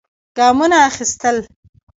ګامونه اخېستل.